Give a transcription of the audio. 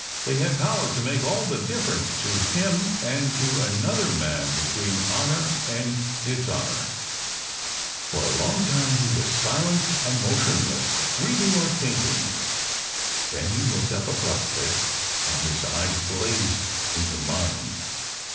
They had power to make all the dif ference to him and to another man between honour and dis honour. For a long minute he was silent and motionless, reading or thinking. Then he looked up abruptly, and his eyes blazed into mine.